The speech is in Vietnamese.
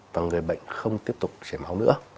và người bệnh không tiếp tục chảy máu nữa